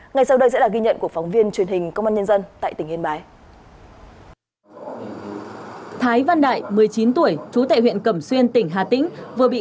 ngay sau đây sẽ là ghi nhận của phóng viên truyền hình công an nhân dân tại tỉnh yên bái